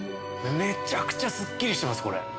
めちゃくちゃすっきりしてますこれ。